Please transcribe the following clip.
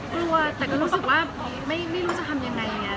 กลัวแต่ก็รู้สึกว่าไม่รู้จะทำยังไง